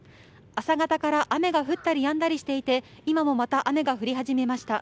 朝方から雨が降ったりやんだりしていて、今もまた雨が降り始めました。